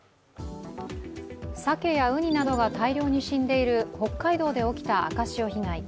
さけやうになどが大量に死んでいる北海道で起きた赤潮被害。